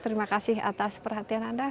terima kasih atas perhatian anda